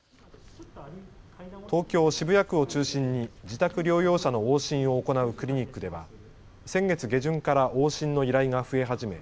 東京渋谷区を中心に自宅療養者の往診を行うクリニックでは先月下旬から往診の依頼が増え始め